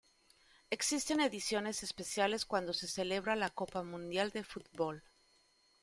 Existen ediciones especiales cuando se celebra la Copa Mundial de Fútbol.